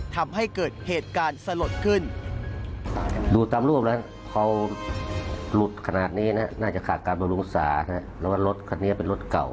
ทำให้เกิดเหตุการณ์สลดขึ้น